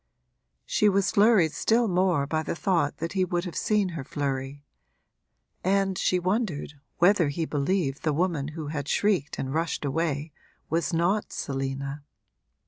She was flurried still more by the thought that he would have seen her flurry, and she wondered whether he believed the woman who had shrieked and rushed away was not Selina.